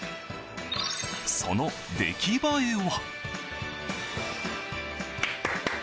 その出来栄えは？